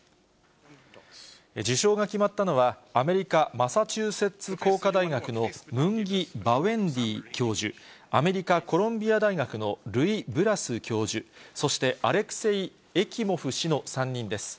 受賞が決まったのは、アメリカ・マサチューセッツ工科大学のムンギ・バウェンディ教授、アメリカ・コロンビア大学のルイ・ブラス教授、そしてアレクセイ・エキモフ氏の３人です。